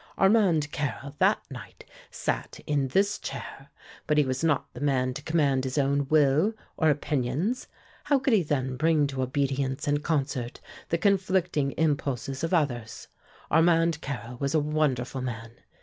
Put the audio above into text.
Armand Carrel that night sat in this chair, but he was not the man to command his own will or opinions; how could he then bring to obedience and concert the conflicting impulses of others? Armand Carrel was a wonderful man.